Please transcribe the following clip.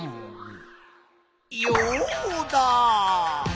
ヨウダ！